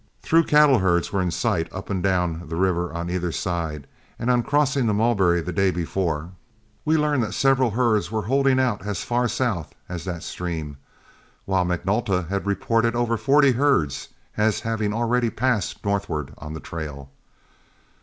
Through cattle herds were in sight both up and down the river on either side, and on crossing the Mulberry the day before, we learned that several herds were holding out as far south as that stream, while McNulta had reported over forty herds as having already passed northward on the trail.